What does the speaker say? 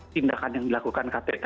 tindakan yang dilakukan kpk